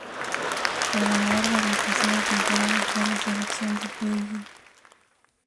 El ganador de la pasada temporada fue la selección de Fiyi.